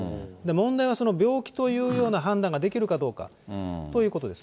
問題はその病気というような判断ができるかどうかということです